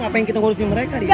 apa yang kita urusin mereka deh ya